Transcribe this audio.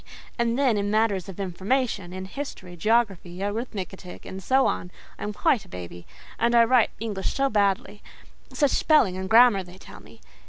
And then, in matters of information—in history, geography, arithmetic, and so on, I am quite a baby; and I write English so badly—such spelling and grammar, they tell me.